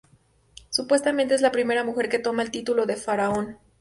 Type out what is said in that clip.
Supuestamente, es la primera mujer que toma el título de faraón.